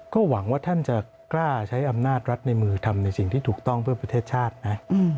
ก็หวังว่าท่านจะกล้าใช้อำนาจรัฐในมือทำในสิ่งที่ถูกต้องเพื่อประเทศชาตินะ